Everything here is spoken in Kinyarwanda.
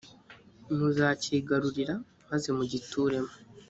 muzakigarurira maze mugituremo ..